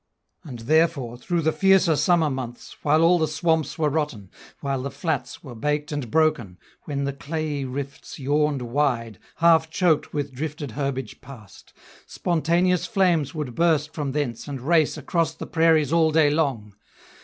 And therefore, through the fiercer summer months, While all the swamps were rotten; while the flats Were baked and broken; when the clayey rifts Yawned wide, half choked with drifted herbage past, Spontaneous flames would burst from thence and race Across the prairies all day long.